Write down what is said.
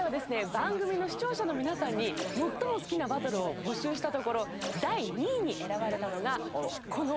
番組の視聴者の皆さんに最も好きなバトルを募集したところ第２位に選ばれたのがこのバトルです。